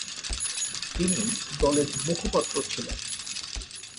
তিনি দলের মুখপাত্র ছিলেন।